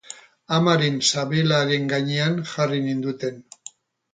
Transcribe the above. Amaren sabelaren gainean jarri ninduten.